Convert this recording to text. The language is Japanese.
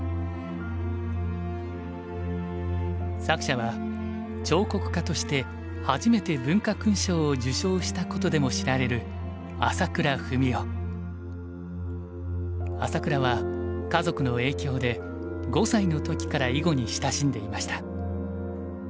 作者は彫刻家として初めて文化勲章を受章したことでも知られる朝倉は家族の影響で５歳の時から囲碁に親しんでいました。